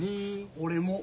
俺も。